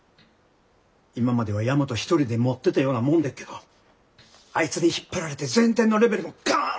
今までは大和一人でもってたようなもんでっけどあいつに引っ張られて全体のレベルもガン上がりました。